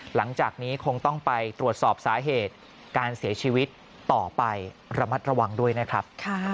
หลังจากนี้คงต้องไปตรวจสอบสาเหตุการเสียชีวิตต่อไประมัดระวังด้วยนะครับ